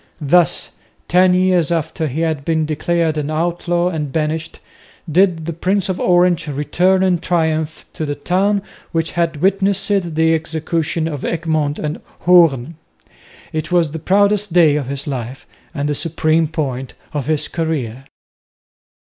Thus, ten years after he had been declared an outlaw and banished, did the Prince of Orange return in triumph to the town which had witnessed the execution of Egmont and Hoorn. It was the proudest day of his life and the supreme point of his career.